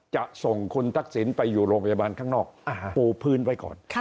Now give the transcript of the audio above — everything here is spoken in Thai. จะส่งคุณทักษิณไปอยู่โรงพยาบาลข้างนอกปูพื้นไว้ก่อน